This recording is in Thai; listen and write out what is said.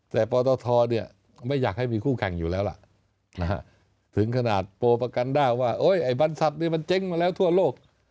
แต่ปตทไม่อยากให้มีคู่แข่งอยู่แล้วล่ะถึงขนาดโปรประกันได้ว่าไอ้บรรษัพท์นี้มันเจ๊งมาแล้วทั่วโลก